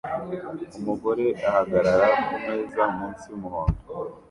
Umugore ahagarara kumeza munsi yumuhondo